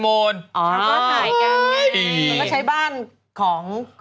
อ๋อก็ถ่ายกันไง